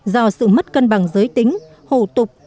do sự mất cân bằng giới tính hổ tục